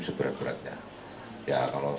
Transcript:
seberat beratnya ya kalau